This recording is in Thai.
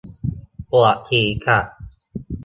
ปวดศีรษะ